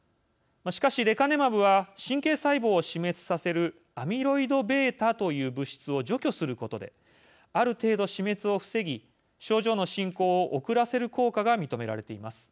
しかし、レカネマブは神経細胞を死滅させるアミロイドβという物質を除去することである程度、死滅を防ぎ症状の進行を遅らせる効果が認められています。